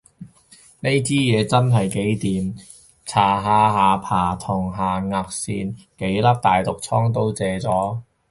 呢支嘢真係幾掂，搽完下巴同下頷線幾粒大毒瘡都謝咗